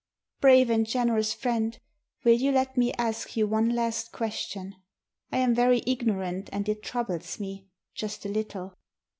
"Brave and generous friend, will you let me ask you one last question? I am very ignorant, and it troubles me — just a httle."